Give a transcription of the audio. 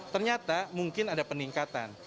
ternyata mungkin ada peningkatan